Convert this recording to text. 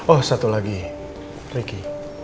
oh satu lagi riki